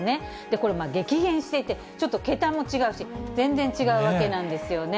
これ、激減していて、ちょっと桁も違うし、全然違うわけなんですよね。